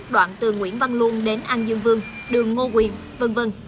đoạn từ nguyễn văn luân đến an dương vương đường ngô quyền v v